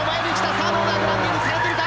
さあどうだグラウンディングされてるか。